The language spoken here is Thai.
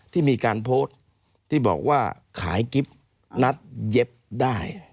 ที่มีการโพสต์ที่บอกว่าขายกิ๊บนัดเย็บได้